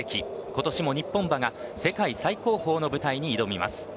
今年も日本馬が世界最高峰の舞台に挑みます。